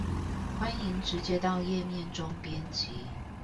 歡迎直接到頁面中編輯